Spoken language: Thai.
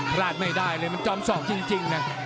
หลาดไม่ได้แล้วมันจ้อมสองจริงนะ